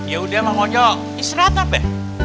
yaudah mau jo istirahat aja